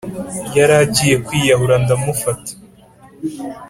Yaragiye kwiyahura ndamufata